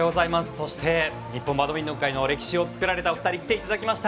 そして、日本バドミントン界の歴史を作られたお二人に来ていただきました。